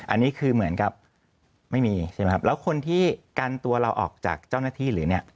อันนี้คือเหมือนกับไม่มีใช่ไหมครับแล้วคนที่กันตัวเราออกจากเจ้าหน้าที่หรือเนี่ย